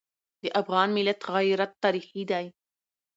د افغان ملت غیرت تاریخي دی.